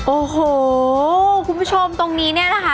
โอ้โหคุณผู้ชมตรงนี้นะคะ